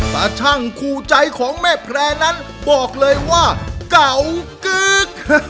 ตาชั่งคู่ใจของแม่แพร่นั้นบอกเลยว่าเก่ากึ๊ก